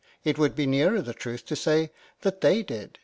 It would be nearer the truth to say that they did.